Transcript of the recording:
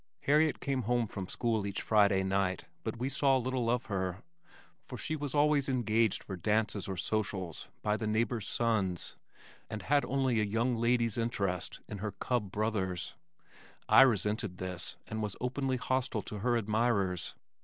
Harriet came home from school each Friday night but we saw little of her, for she was always engaged for dances or socials by the neighbors' sons, and had only a young lady's interest in her cub brothers. I resented this and was openly hostile to her admirers.